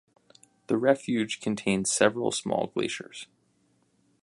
The refuge contains several small glaciers.